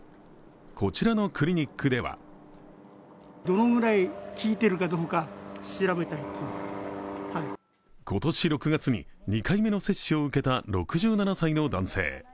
こちらのクリニックでは今年６月に２回目の接種を受けた６７歳の男性。